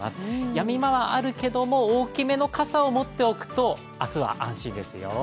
やみ間はあるけれども大きめの傘を持っておくと明日は安心ですよ。